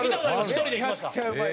１人で行きました。